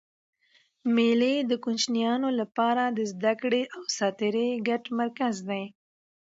مېلې د کوچنيانو له پاره د زدهکړي او ساتېري ګډ مرکز دئ.